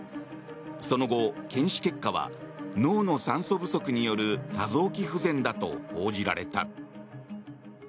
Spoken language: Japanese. その後、検視結果は脳の酸素不足による多臓器不全だと報じられた。